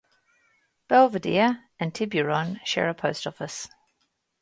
Belvedere and Tiburon share a post office.